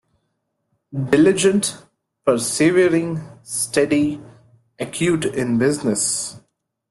Diligent, persevering, steady, acute in business.